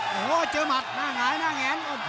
โหเจอหมัดหน้าหงานหน้าหงานเจอ